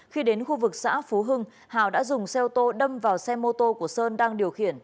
khi đến khu vực xã phú hưng hào đã dùng xe ô tô đâm vào xe mô tô của sơn đang điều khiển